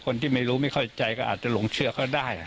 คนที่ไม่รู้ไม่เข้าใจก็อาจจะหลงเชื่อก็ได้